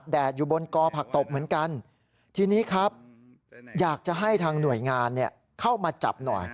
แต่ผักตบชาวะตรงนี้คุณ